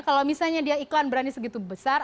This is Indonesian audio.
kalau misalnya dia iklan berani segitu besar